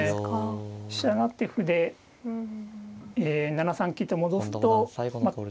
飛車成って歩で７三金と戻すとまあうん。